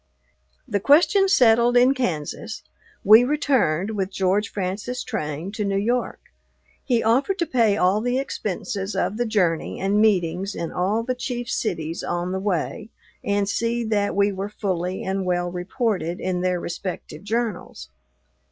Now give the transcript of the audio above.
The question settled in Kansas, we returned, with George Francis Train, to New York. He offered to pay all the expenses of the journey and meetings in all the chief cities on the way, and see that we were fully and well reported in their respective journals.